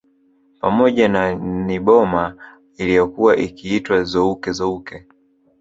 Pamoja na Nyboma iliyokuwa ikiitwa Zouke Zouke